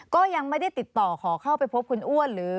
ก็ยังไม่ได้ติดต่อขอเข้าไปพบคุณอ้วนหรือ